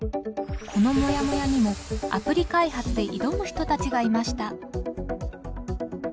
このもやもやにもアプリ開発で挑む人たちがいました。